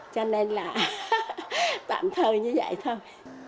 cho nên là tạm thời như vậy thôi